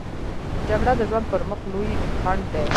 جګړه د ژوند پر مخ لوی خنډ دی